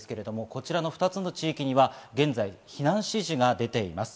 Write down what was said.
こちらの２つの地域には現在、避難指示が出ています。